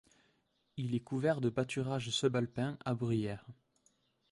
Il est couvert de pâturages subalpins à bruyère.